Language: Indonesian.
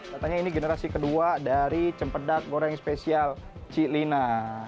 katanya ini generasi kedua dari cempedak goreng spesial cilina